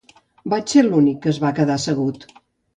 Vaig ser l'únic que es va quedar assegut.